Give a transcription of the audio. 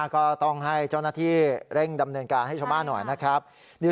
ก็ต้องให้เจ้าหน้าที่เร่งดำเนินการให้ชาวบ้านหน่อยนะครับ